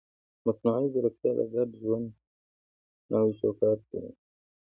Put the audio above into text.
مصنوعي ځیرکتیا د ګډ ژوند نوی چوکاټ جوړوي.